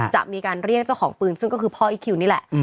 จะมีการเรียกเจ้าของปืนซึ่งก็คือพ่ออีคคิวนี่แหละ